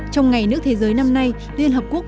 trong ngày nước thế giới năm nay liên hợp quốc